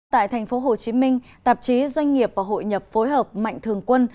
tại thành phố hồ chí minh tạp chí doanh nghiệp và hội nhập phối hợp mạnh thường quân